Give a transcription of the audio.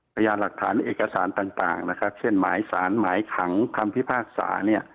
พยายามหลักฐานเอกสารต่างเช่นหมายสารหมายขังคำพิพากษา